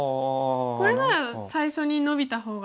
これなら最初にノビた方が。